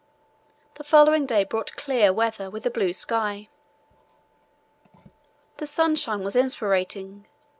The following day brought bright clear weather, with a blue sky. The sunshine was inspiriting.